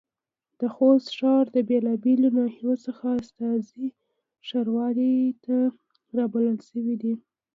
د خوست ښار د بېلابېلو ناحيو څخه استازي ښاروالۍ ته رابلل شوي دي.